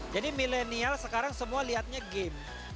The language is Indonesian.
jadi milenial sekarang semua lihatnya game